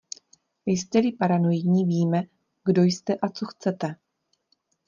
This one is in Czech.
Jste-li paranoidní, víme, kdo jste a co chcete.